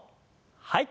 はい。